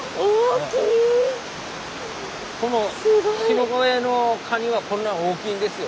日之影のカニはこんな大きいんですよ。